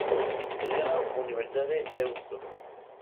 Estudió en la Universidad de Deusto.